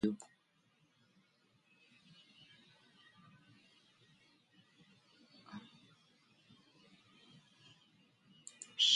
fritei carne de jegue no presídio